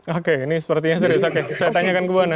oke ini sepertinya saya tanyakan ke bu ana